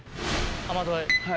雨どい。